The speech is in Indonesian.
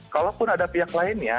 kalaupun ada pihak lainnya